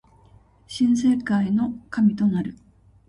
新世界の神となる